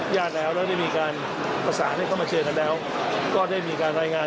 ญาติแล้วแล้วได้มีการประสานให้เข้ามาเคลียร์กันแล้วก็ได้มีการรายงาน